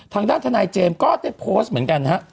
ทางด้านทนายเจมส์ก็ได้โพสต์เหมือนกันฮะ